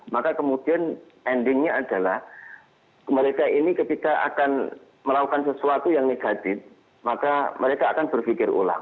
maka kemudian endingnya adalah mereka ini ketika akan melakukan sesuatu yang negatif maka mereka akan berpikir ulang